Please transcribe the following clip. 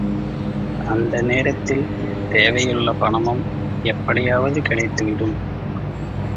அந்த நேரத்தில் தேவையுள்ள பணமும் எப்படியாவது கிடைத்துவிடும்.